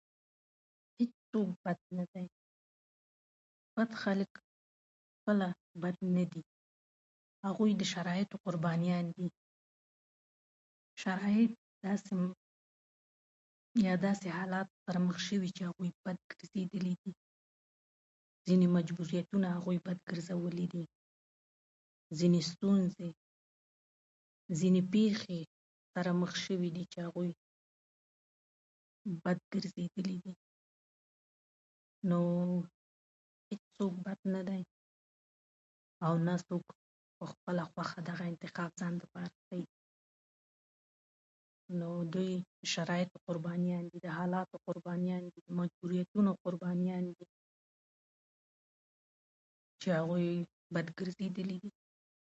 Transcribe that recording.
هيڅوک بد نه دي. بد خلک خپله بد نه دي؛ هغوی د شرايطو قربانیان دي. شرايط داسې، یا داسې حالات سره مخ شوي چې هغوی بد ګرځيدلي دي. ځينې مجبوريتونه هغوی بد ګرځولي دي، ځينې ستونزې، ځينې پيښې سره مخ شوي دي چې هغوی بد ګرځيدلي دي. نووو هيڅوک هم بد نه دی، او نه څوک په خپله خوښه دغه انتخاب د ځان لپاره کړی دی. نو دوی د شرايطو قربانيان دي، د حالاتو قربانیان دي، مجبوريتونو قربانیان دي چې هغوی بد ګرځيدلي دي.